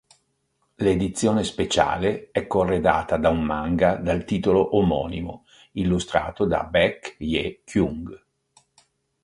L'edizione speciale è corredata da un manga dal titolo omonimo, illustrato da Baek Hye-kyung.